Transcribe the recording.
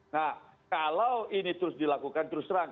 nah kalau ini terus dilakukan terus terang